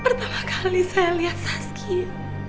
pertama kali saya lihat saski